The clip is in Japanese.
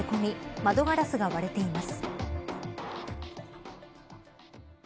窓ガラスが割れています。